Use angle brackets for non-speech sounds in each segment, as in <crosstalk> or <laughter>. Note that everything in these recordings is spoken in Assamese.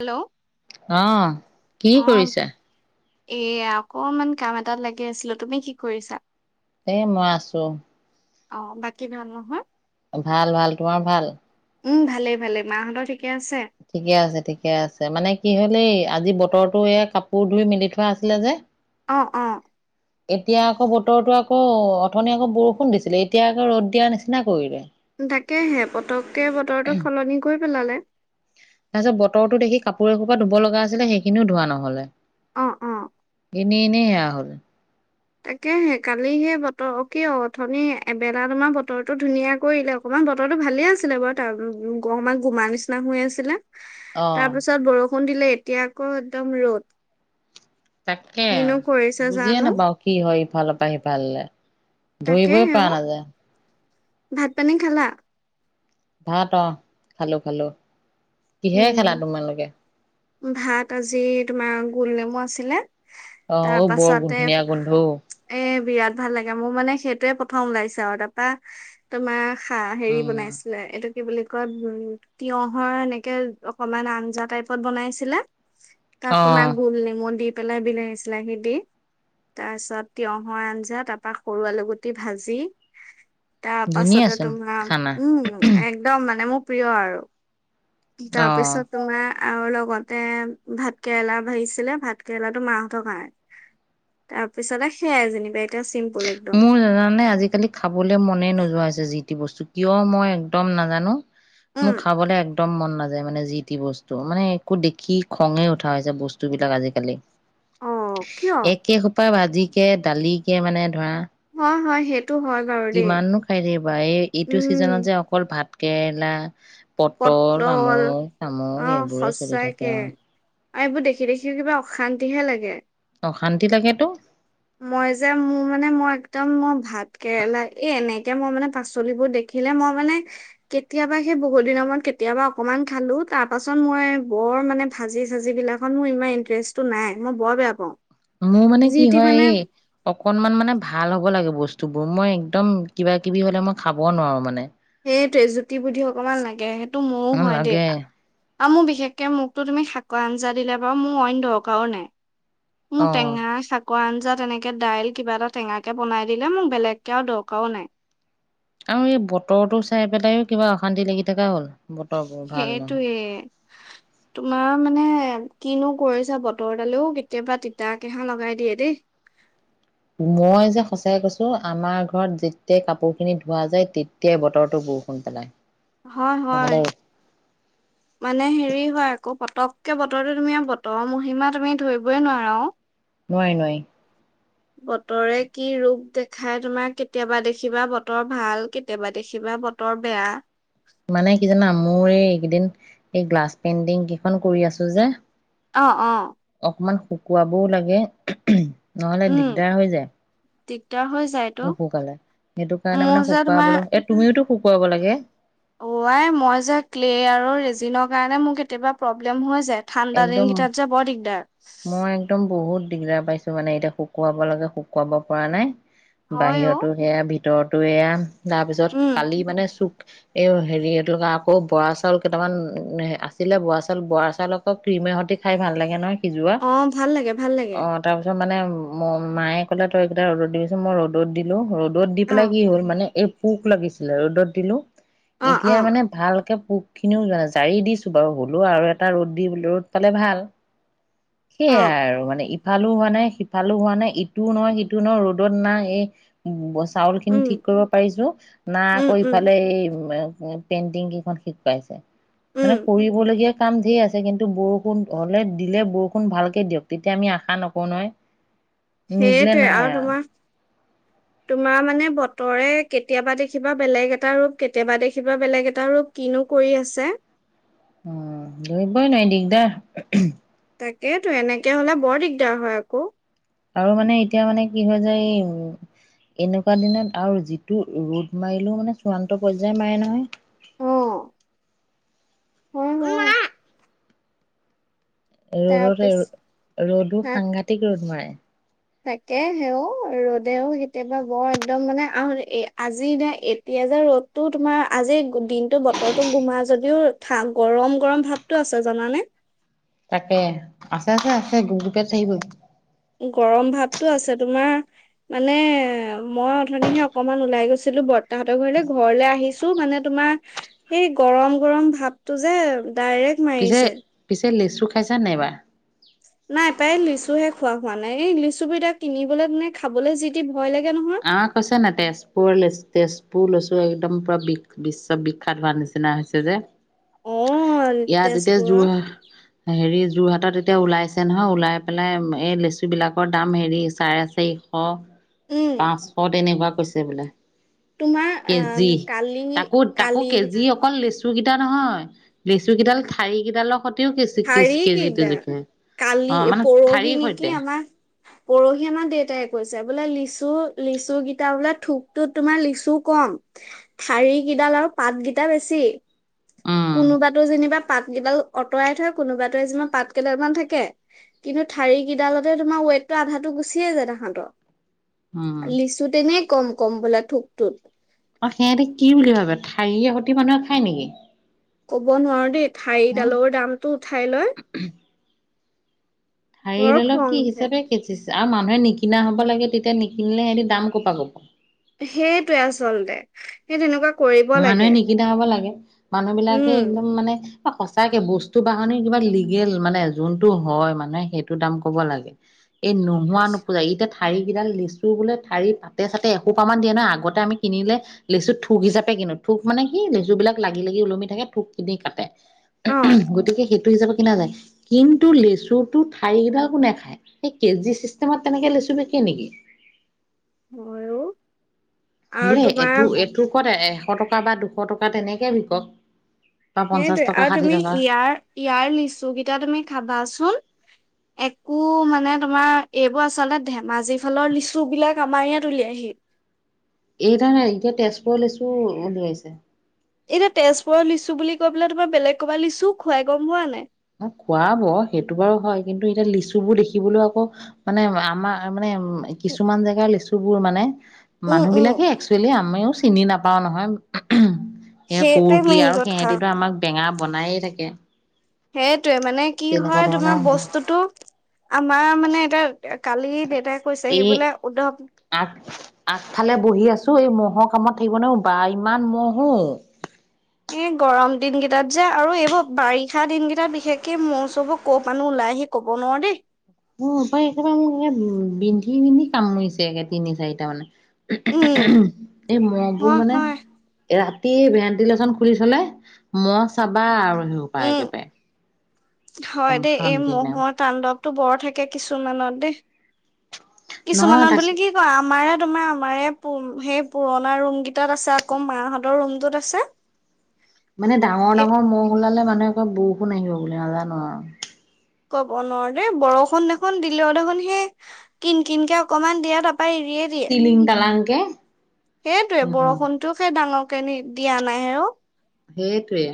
হেল্ল' অ অ'হ! কি কৰিছা? এয়া অকনমান কাম এটাত লাগি আছিলোঁ, তুমি কি কৰিছাঁ? এ মই আছোঁ। অ' বাকী ভাল নহয়? ভাল, ভাল, তোমাৰ ভাল? উম ভালে, ভালে, মাঁ হতৰ ঠিকে আছে ঠিকে আছে, ঠিকে আছে, মানে কি হ'লেই? আজি বতৰতো এই কাপোৰ ধুই মেলি থোৱা আছিলে যে অ'! অ'! এতিয়া আকৌ বতৰতো আকৌ, অথনি আকৌ বৰষুণ দিছিলে। এতিয়া আকৌ ৰ'দ দিয়া নিচিনা কৰিলে তাকেহে, পতককে বতৰটো সলনি কৰি পেলালে। তাৰপিছত বতৰতোঁ দেখি কাপোৰ‌ এসোপা ধুব লগা আছিলে, সেইখিনিও ধোৱা নহ'লে। অ অ ইনে, ইনে। বেয়া হ'ল। তাকেহে কালি সেই বতৰ, কি অ'! অথনি এবেলা তোমাৰ বতৰটো ধুনীয়া কৰিলে অকমান, বতৰটো ভালে আছিলে বাৰু, তাৰ, অকণমান গোমা নিচিনা হৈ আছিলে। অ তাৰ পিছত বৰষুণ ষোণ দিলে এতিয়া আকৌ একদম ৰ'দ। তাকে, কিনো কৰিছে বুজিয়ে জানো নপাওঁ। কি হয় ইফালৰ পৰা সিফাল'লে। ধুই বই তাকেহে পোৱা অ নাযায়। ভাত পানী খালা? ভাত অ খালোঁ খালোঁ। কিহেৰে উম খালা তোমালোকে? ভাত আজি তোমাৰ গোল নেমু, আছিলে। তাৰ অ', বৰ পাছতে ধুনীয়া গোন্ধ অ', এ বিৰাট ভাল লাগে মোৰ মানে। সেইটোয়ে প্ৰথম ওলাইছে আৰু তাৰপা তোমাৰ খাৰ হেৰি উম, বনাইছিলে এইটো। কি বুলি কয় উম তিয়হৰ <unintelligible> তাকে অকমান আঞ্জা টাইপত বনাইছিলে। ত তোমাক অ', গোল নেমু, দি। পেলাই বিলাহী চিলাহী দি তাৰ পিছত তিঁয়হৰ আঞ্জা তাৰ পৰা সৰু আলু গুটি ভাজি। তাৰ পাছতে ধুনীয়াচোন তোমাৰ খানা উম একদম মানে মোক। প্ৰিয় আৰু। অ', তাৰপিছত তোমাৰ আৰু লগতে ভাত কেৰেলা ভাজিছিলে ভাত কেৰেলাটো মা হঁতৰ কাৰণে তাৰ পিছতে সেয়াই যেনিবা। এতিয়া চিম্পুল একদম মোৰ জানানে আজিকালি খাবলৈ মনে নোযোৱা হৈছে যি বস্তু কিয় মই একদম নাজানো। মোৰ উম খাবলৈ একদম একদম মন নাযায় মানে যি টি বস্তু মানে একো দেখি খঙে উঠা হৈছে বস্তুবিলাক আজিকালি। অ কিয় একে তপা ভাজিকে দালিকে মানে। ধৰা হয় হয় সেই কিমাননো খাই থাকিবা এই এইটো চিজনত উম যে অকল ভাত। কেৰেলা, পটল, আমুক তামুক অ এইবোৰে চলি সঁচাকে থাকে আৰু। আৰু এইবোৰ দেখি দেখি কিবা অশান্তিহে লাগে। অশান্তি লাগেটো। মই যে, মোৰ মানে মই একদম মই ভাত কেৰেলা এই এনেকে মই মানে পাচলিবোৰ দেখিলে মই মানে কেতিয়াবা সেই বহুত দিনৰ মূৰত কেতিয়াবা অকমান খালো তাৰ পাছত মই বৰ মানে ভাজি চাজি বিলাকত মোৰ ইমান ইন্টাৰেষ্টটো নাই মই বৰ বেয়া পাওঁ। মোৰ মানে যি কি। টি হয় মানে এই অকনমান মানে ভাল হ'ব লাগিব। বস্তু বোৰ মই একদম কিবা কিবি হ'লে মই খাব নোৱাৰো মানে। সেইটোৱে জুতি বুদ্ধি অকমান লাগে সেইটো মোৰো অ হয় দেই। লাগে আৰু মোৰ বিশেষকে মোকতো তুমি শাকৰ আঞ্জা দিলে বাৰু মোৰ অইন দৰকাৰো নাই। মোৰ অ টেঙা চা আঞ্জা তেনেকে দাইল কিবা এটা টেঙাকে বনাই দিলে মোক বেলেগকে আৰু দৰকাৰও নাই আৰু এই বতৰটো চাই পেলাইও কিবা অশান্তি লাগি থকা হ'ল বতৰবোৰ ভাল নহয়। সেইটোয়েই তোমাৰ মানে। কিনো কৰিছে বতৰডালেও কেতিয়াবা তিতা কেহা লগাই দিয়ে দেই। মই যে সচাই কৈছো আমাৰ ঘৰত যেতিয়াই কাপোৰ খিনি ধোৱা যায় তেতিয়াই বতৰটো বৰষুণ পেলাই। হয় নহলে হয় মানে হেৰি হয় আকৌ পতক। কে বতটো তুমি বতৰ মহিমা তুমি ধৰিবই নোৱাৰা অ। নোৱাৰি নোৱাৰি। বতৰে কি ৰোপ দেখায় তোমাৰ কেতিয়াবা দেখিবা বতৰ ভাল কেতিয়াবা দেখিবা বতৰ বেয়া। মানে কি জানা মোৰ এই এইকেইদিন এই গ্লাছ পেইণ্টিং কেইখন কৰি আছো যে। অ অ। অকমান শুকুৱাবও লাগে ও সম। নহলে উম দিগদাৰ হৈ যায় দিগদাৰ হৈ যায়তো। নুশুকালে সেইটো কাৰণে মোৰ মানে যে শুকুৱাবলে এ তুমিওটো শুকোৱাব কৰিব লাগে অ আই মই যে ক্লে আৰু ৰেজিনৰ কাৰণে মোৰ কেতিয়াবা প্ৰব্লেম হৈ যায়। ঠাণ্ডা একদম দিনগিতাত যে বৰ দিগদাৰ মই একদম বহুত দিগদাৰ পাইছো মানে এতিয়া শুকুৱাব লাগে শুকুৱাব পৰা নাই হয় অ। বাহিৰতো সেয়া ভি তৰটো এয়া তাৰপিছত উম কালি মানে চু এই হেৰি এইটোকা আকৌ বৰা চাউল কেইটামান আছিলে বৰা চাউল বৰা চাউলক আকৌ ক্ৰীমৰ সৈতে খাই ভাল লাগে নহয়। সিজোৱা অ ভাল লাগে ভাল লাগে অ তাৰপিছত মানে মায়ে কলে তই এই কেইটা ৰ'দত দেগেচোন মই ৰ'দত দিলো ৰ'দ ৰ'দ দি অ পেলাই কি হ'ল মানে এই পোক লাগিছিলে ৰ'দত দিলোঁ অ এতিয়া অ মানে ভালকে পুক খিনিও যোৱা নাই জাৰি দিছো বাৰু হ'লেও আৰু এটা ৰ'দ ৰ'দ পালে ভাল অ সেইয়াই আৰু মানে সিফালো হোৱা নাই সিফালো হোৱা নাই ইটো নহয় সিটো নহয় ৰ'দত নাই এই বস্তা চাউল খিনি উম ঠিক কৰিব পাৰিছো না উম আকৌ উম ইফালে এই পেইণ্টিং কেইখন শিকোৱাইছে উম মানে কৰিবলগীয়া কাম যি আছে। কিন্তু বৰষুণ হলে - দিলে বৰষুণ ভালকে দিয়ক তেতিয়া আমি আশা নকৰো নহয়। নিদিলে সেইটোৱে নাই আৰু তোমাৰ তোমাৰ মানে বতৰে কেতিয়াবা দেখিবা বেলেগ এটা ৰূপ, কেতিয়াবা দেখিবা বেলেগ এটা ৰূপ। কিনো কৰি আছে। উম। ধৰিবই নোৱাৰি দিগদাৰ। তাকেইেতো। এনেকে হলে বৰ দিগদাৰ হয় আকৌ। আৰু মানে এতিয়া মানে কি হয় যে এই এনেকুৱা দিনত আৰু যিটো ৰ'দ মাৰিলেও মানে চূড়ান্ত পৰ্যায় মাৰে নহয়। অঁ। <unintelligible> ৰদতে তাৰপিছ ৰ'দো হা সাংঘাতিক ৰ'দ মাৰে। তাকে সেও ৰ'দেও কেতিয়াবা বৰ একদম মানে আহ এ আজি নে এতিয়া যে ৰ'দটো তোমাৰ আজি দিনটো বতৰতো গোমা যদিও <unintelligible> গৰম গৰম ভাৱটো আছে জানানে? তাকে। আছে আছে আছে <unintelligible> গৰম ভাৱটো আছে তোমাৰ মানে মই অথনিহে অকমান ওলাই গৈছিলো বৰতাহতৰ ঘৰলে, ঘৰলে আহিছো মানে তোমাৰ সেই গৰম গৰম ভাৱটো যে ডাইৰেক্ট পিছে মাৰিছে পিছে লিচু খাইছা নাই এইবাৰ? নাই প্ৰায় লিচু হে খোৱা হোৱা নাই, এই লিচুবিধক কিনিবলে নে খাবলৈ যিটি <unintelligible> তেজপুৰ লেচু তেজপুৰ লেচু। টো একদম পুৰা বিক বিশ্ব বিখ্যাত হোৱাৰ নিচিনা হৈছে যে। অ ইয়াত এতিয়া তেজপুৰৰ যোৰ হেৰি যোৰহাট তাত এতিয়া ওলাইছে নহয় ওলাই পেলাই এই লেচু বিলাকৰ দাম হেৰি চাৰে চাৰিশ উম পাঁচশট তেনেকুৱা হৈছে বোলে। তোমাৰ আম কেজি কালি তাকো তাকো কালি কেজি অকল লেচু টো কীটা নহয় লেচু কেইডাল ঠাৰি কেইডালৰ সৈত ঠাৰি কেইটা, অ কালি মানে পৰহি ঠাৰিৰ নেকি সৈতে আমাৰ পৰহি আমাৰ দেউতাই কৈছে বোলে লিচু লিচু কেইটা বোলে থোকটোত তোমাৰ লিচু কম শাৰী কেইডাল আৰু পাতকেইটা বেছি। উম কোনোবাতো যেনিবা পাতকেইডাল অঁতৰাই থয় কোনোবাতোৱে যেনিবা পাতকেইডাল মান থাকে, কিন্তু ঠাৰি কেইডালতে তোমাৰ ৱেটটো আধাটো গুচিয়েই যায় উম তাহাঁতৰ। লিচুতে নে কম কম বোলা থোকটোত। অ সিহঁতে কি বুলি ভাবে ঠাৰিৰে সৈতি মানুহে খায় নেকি? কব নোৱাৰো দেই। হা ঠাৰিডালৰ দামটো উঠাই লয়। ঠাৰি বৰ ডালৰ খং কি উঠে হিচাপে কেজি আৰু মানুহে নিকিনা হব লাগে তেতিয়া নিকিনিলে সিহঁতি দাম কপা কব। সেইটোৱে আচলতে সেই তেনেকুৱা কৰিব লাগে মানুহে নিকিনা হব লাগে। মানুহ বিলাকে উম একদম মানে সঁচাকে বস্তু বাহনিৰ কিবা লিগেল মানে যোনটো হয় মানুহে সেইটো দাম কব লাগে। এই নোহোৱা সঁচ- নোপুজায় ইতিয়া ঠাৰি কেইডাল লেচু বোলে ঠাৰি পাতে চাতে এশোপা মান দিয় নহয় আগতে আমি কিনিলে লিচু থুক হিচাপে পি কিনো থোক মানে কি লেচু বিলাক লাগি লাগি ওলমি থাকে থোক কিনি কাটে অ গতিকে সেইটো হিচাপে কিনা যায় কিন্তু লেচুটো ঠাইকেইডাল কোনে খায় সেই কেজি চিষ্টেমত তেনেকে লেচু বিকে নেকি? হয় ও বলে এইটো এইটো ক'ত? এশ টকা বা দুশ টকা তেনেকে বিকক বা পঞ্চাশ সেইটোৱে টকা আৰু ষাঠি তুমি টকা ইয়াৰ ইয়াৰ লিচু কেইটা তুমি খাবাচোন। একো মানে তোমাৰ এইবোৰ আচলতে ধেমাজি ফালৰ লিচু বিলাক আমাৰ ইয়াত উলিয়াইহি এই ত নাই এতিয়া তেজপুৰ লিচু ওলাইছে। এতিয়া তেজপুৰত লিচু বুলি কৈ পেলাই তোমাৰ বেলেগ ক'বাত লিচু খুৱাই গম হোৱা নাই। খুৱ ব সেইটো বাৰু হয় কিন্তু এতিয়া লিচু বোৰ দেখিবলৈ আকৌ মানে আমাৰ মানে উ কিছুমান জেগা লিচু। তুবোৰ মানে <inaudible> উম মানুহ উম বিলাকে এক্চুৱেলি আমিও চিনি নাপাওঁ নহয়। ওহহ স সেইটোৱে কৰ্ কি মেইন আৰু কথা সিহঁতিতো আমাক বেঙা বনায়েই থাকে। সেইটোৱে মানে কি তেনেকুৱা হয় ধৰণৰ তোমাৰ হয়। বস্তুতটো আমাৰ মানে এতিয়া। কালি দে এই আঠ আগফালে বহি আছোঁ‌। এই মহ'ৰ কামত থাকিব নে বা ইমান মহ ও <inaudible> এ গৰম দিন কেইটাত যে আৰু এইবোৰ বাৰিষা দিনকেইটাত বিশেষকে মৌ চব ক' পানো ওলাই আহি কব নোৱাৰো দেই। উ একেবাৰে মোৰ উ বিন্ধি বিন্ধি কামুৰিছে একে তিনি চাৰিটা মানে। ওহ উম ওহ ওহ এই মহবোৰ হয় মানে হয় ৰাতি। টি ভেণ্টিলেচন খুলি থলে ম চাবা আৰু সেইসোপা উম একেবাৰে একদম হয় দেই এই শান্তি নাই। মহৰ তান্দৱ। টো বৰ থাকে কিছুমানত দেই। নহয় কিছুমানত তাক বুলি কি কয় আমাৰ এ তোমাৰ আমাৰ এই সেই পুৰণা ৰুম কেইটাত আছে আকৌ মাহঁতৰ ৰুমটোত আছে। মানে ডাঙৰ এ ডাঙৰ মহ ওলালে মানুহ। মুৱৌ বৰষুণ আহিব বুলি নাজানো আৰু ক'ব নোৱাৰো দেই। বৰষুণ দেখোন দিলেও দেখোন সেই কিন কিনকে অকমান দিয়াত। তাই এৰিয়ে দিয়ে টিলিং টালাংকে সেইটোৱে উম বৰষুণতটোও সেই ডাঙৰ। দিয়া নাই অ'। সেইটোৱেই।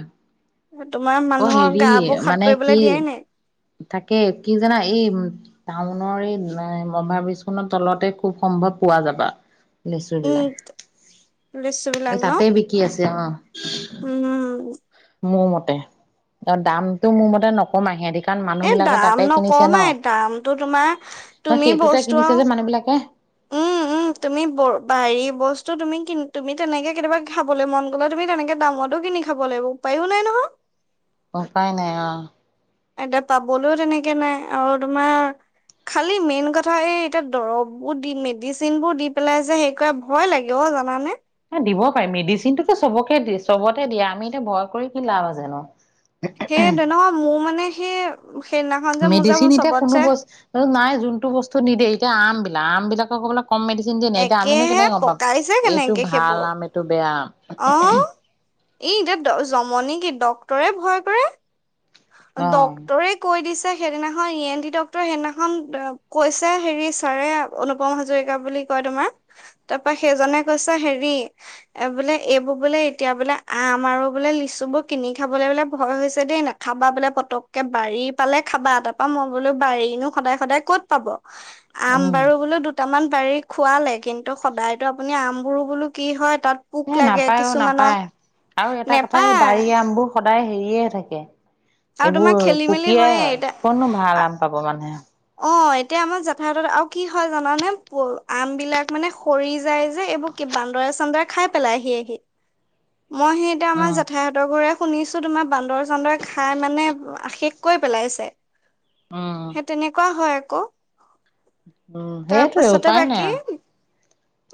তোমাৰ মানুহৰ গা বোৰ সাত কি পৰিবলৈ দিয়াই নাই। তাকে কি জানা এই টাউনৰ এই অভাৰ ব্ৰীজ খনৰ তলতে খুব সম্ভৱ পোৱা যাবা। লেচু বিলাক উম, লিচু বিলাক এই ন? তাতে বিকি আছে অ' উম, মোৰ মতে তাত দামতটো মোৰ মতে নকমাই সিহঁতি। কাৰণ মানুহ এ বিলাকে তাতে দাম কিনিছে ন নকমাই দামটো তোমাৰ ন তুমি সেইটোতে বস্তু কিনিছে আৰু যে মানুহ বিলাকে উম উম তুমি ব বাৰি বস্তু তুমি -তুমি তেনেকে কেতিয়াবা খাবলৈ মন গ'লে তুমি তেনেকে দামতো কিনি খাব লাগিব উপায়ো নাই নহয়। অ' উপাই নাই অ ' এতিয়া পাবলৈও তেনেকে নাই আৰু তোমাৰ খালি মেইন কথা এই এতিয়া দৰববোৰ দি মেডিচিন বোৰ দি পেলাই যে সেইকাৰ ভয় লাগে অ জানেনে। এ দিব পাৰিম মেডিচিন টো চবকে দিয়ে চবতে দিয়ে আমি এতিয়া ভয় কৰি কি লাভ আছে নো সেই টোৱে ন'মোৰ মানে। <unintelligible> কি হ'ল মেডিচিন এতিয়া কোনো বস্তু নাই। যোনতটো বস্তু নিদে এতিয়া আম। নাম বিলাকক আকৌ বোলে। <unintelligible> কম মেডিচিন দিয়ে নি এতিয়া আমিনো একেহে কেনেকে গম পাম পকাইছে এইটো কেনেকে ভাল সেইবোৰ আম এইটো বেয়া আম। অ ' এই এতিয়া জমনী কি ডাক্তৰে ভয় কৰে। আম ডক্তৰেই কৈ দিছে। সেইদিনাখন ই এন টি ডক্তৰে সেইদিনাখন কৈছে হেৰি ছাৰে অনুপম হাজৰিকা বুলি কয় তোমাৰ তাৰ পৰা সেইজনে কৈছে হেৰি এ বোলে এইবোৰ বোলে এতিয়া বোলে আম আৰু বোলে লিচু বোৰ কিনি খাবলে বোলে ভয় হৈছে দেই ন'। খাবা বোলে পতককে বাৰী পালে খাবা তাৰপা মই বোলো বাৰি পালে খাবা সদায় সদায় ক'ত পাব। অ আম উম বাৰু বোলেো দুটা কেইটামান বাৰী খোৱালে কিন্তু সদায়তো আপুনি আমবোৰো বোলো কি হয়। তাত পোক এ' লাগে নাপায়ো অ' কিছুমানত নাপায় আৰু এটা কথা এই নেপায় বাৰী আম বোৰ সদায়। হেৰিয়ে থাকে। আৰু তোমাৰ এইবোৰ খেলি মেলি পুকীয়াই হয়ে হয় এতিয়া কোনো ভাল আম পাব মানুহে। অ' এতিয়া আমাৰ জেঠাই হঁতৰ তাত আৰু কি হয় জানে আম বিলাক মানে সৰি যায়। যে এইবোৰ বান্দৰে চান্দৰে খাই পেলাই আহি আহি। মই সেই এতিয়া আমাৰ উম জেঠায়হঁতৰ ঘৰ। শুনিছো তোমাৰ বান্দৰ চান্দৰে খাই মানে সেখ কৈ পেলাইছে। অ' সেই তেনেকুৱা হয় আকৌ। উম তাৰ সেইটোৱে পাছতে উপায় নাই বাকী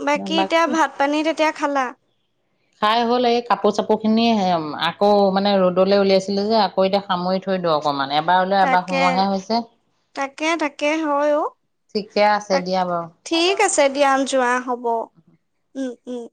বাকী এতিয়া ভাত পানী এতিয়া খালা খাই হ'ল এই কাপোৰ চাপোৰ খিনি সেই উম আকৌ মানে ৰ'দলৈ উলিয়াইছিলো যে আকৌ এতিয়া সামৰি থৈ দিওঁ অকমান এবাৰ ওলোৱা এবাৰ তাকে সোমোৱাাহে হৈছে তাকে তাকে হয় অ ঠিকে আছে তাক দিয়া বাৰু। ঠিক আছে দিয়া যোৱা। হ'ব উম উম